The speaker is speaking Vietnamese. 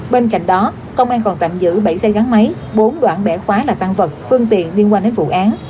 bên cạnh đó công an còn tạm giữ bảy xe gắn máy bốn đoạn bẻ khóa là tăng vật phương tiện liên quan đến vụ án